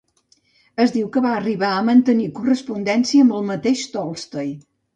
Es diu que va arribar a mantenir correspondència amb el mateix Tolstoi.